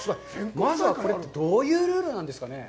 まずはこれってどういうルールなんですかね。